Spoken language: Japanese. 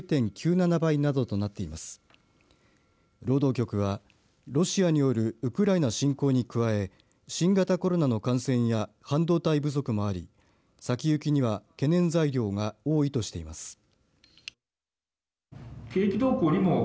労働局はロシアによるウクライナ侵攻に加え新型コロナの感染や半導体不足もあり先行きには懸念材料が多いとしています。